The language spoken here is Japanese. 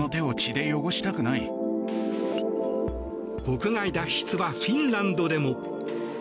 国外脱出はフィンランドでも。